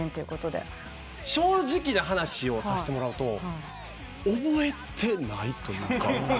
正直な話をさせてもらうと覚えてないというか。